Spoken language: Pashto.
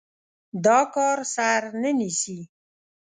دا کار سر نه نيسي.